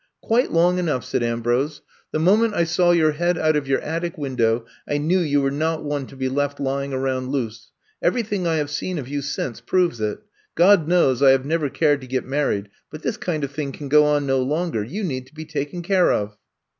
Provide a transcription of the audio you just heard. Quite long enough,'' said Ambrose. The moment I saw your head out of your attic window, I knew you were not one to be left lying around loose. Everything I have seen of you since proves it. God knows I have never cared to get married. But this kind of thing can go on no longer. You need to be taken care of.